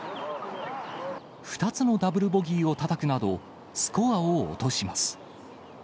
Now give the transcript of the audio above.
２つのダブルボギーをたたくなど、スコアを落とします。